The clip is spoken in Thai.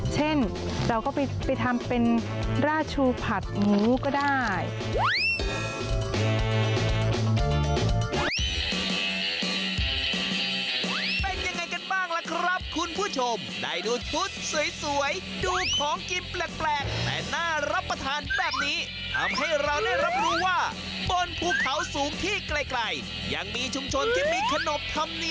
เช่นเราก็ไปทำเป็นราชูผัดหมูก็ได้